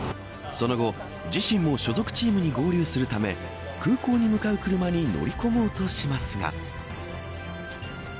その後、自身も所属チームに合流するため空港に向かう車に乗り込もうとしますが。